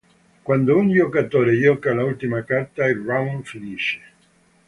Quando un giocatore gioca l'ultima carta il round finisce.